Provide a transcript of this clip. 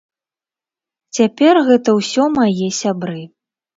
Цяпер гэта ўсё мае сябры.